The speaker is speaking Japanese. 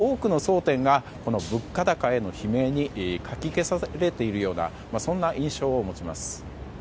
しかし、多くの争点がこの物価高への悲鳴にかき消されているようなそんな印象を持ちます。